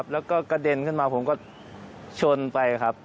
แล้วก็กระเด็นขึ้นมาผมก็ชนไปครับ